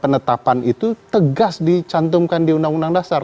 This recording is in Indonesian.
penetapan itu tegas dicantumkan di undang undang dasar